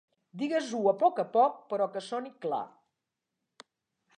Digues-ho a poc a poc, però que soni clar.